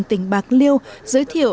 tỉnh bạc liêu giới thiệu